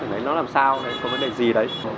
cái đó làm sao không có vấn đề gì đấy